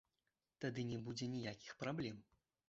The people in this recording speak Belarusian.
Тады не будзе ніякіх праблем.